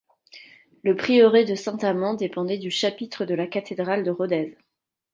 Le prieuré de Saint-Amans dépendait du chapitre de la cathédrale de Rodez.